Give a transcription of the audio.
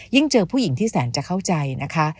เจอผู้หญิงที่แสนจะเข้าใจนะคะ